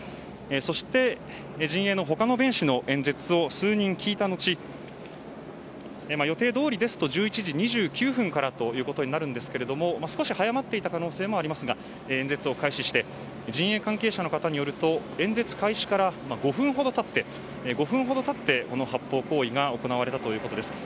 そして、陣営の他の弁士の演説を数人聞いた後予定どおりですと１１時２９分からということになるんですけども少し早まっていた可能性もありますが、演説を開始して陣営関係者の方によると演説開始から５分ほど経ってこの発砲行為が行われたということです。